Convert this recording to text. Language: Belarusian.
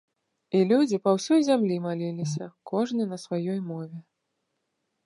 І людзі па ўсёй зямлі маліліся, кожны на сваёй мове.